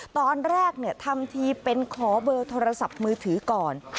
ตอนแรกทำทีเป็นขอเบอร์โทรศัพท์มือถือก่อน